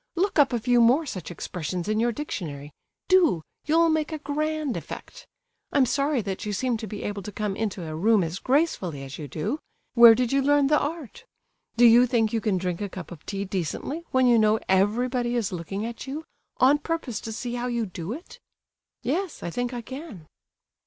Look up a few more such expressions in your dictionary; do, you'll make a grand effect! I'm sorry that you seem to be able to come into a room as gracefully as you do; where did you learn the art? Do you think you can drink a cup of tea decently, when you know everybody is looking at you, on purpose to see how you do it?" "Yes, I think I can."